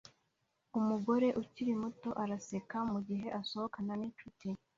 Umugore ukiri muto araseka mugihe asohokana ninshuti